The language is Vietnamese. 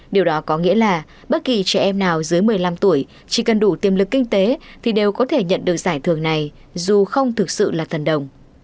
điều đó có nghĩa là bất kỳ trẻ em nào dưới một mươi năm tuổi chỉ cần đủ tiềm lực kinh tế thì đều có thể nhận được giải thưởng này dù không thực sự là thần đồng